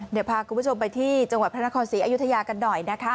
เดี๋ยวพาคุณผู้ชมไปที่จังหวัดพระนครศรีอยุธยากันหน่อยนะคะ